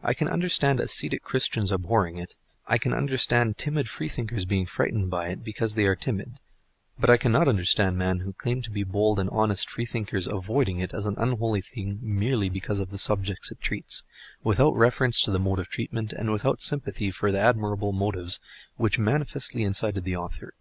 I can understand ascetic Christians abhorring it, I can understand timid Freethinkers being frightened by it because they are timid; but I cannot understand men who claim to be bold and honest Freethinkers avoiding it as an unholy thing merely because of the subjects it treats, without reference to the mode of treatment, and without sympathy for the admirable motives which manifestly incited the author.